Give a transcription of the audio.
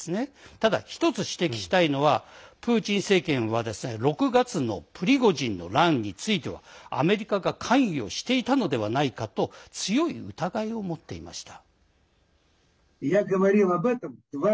ただ１つ指摘したいのはプーチン政権は６月のプリゴジンの乱についてはアメリカが関与していたのではないかと強い疑いを持っていました。